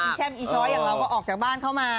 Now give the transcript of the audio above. แช่มอีช้อยอย่างเราก็ออกจากบ้านเข้ามา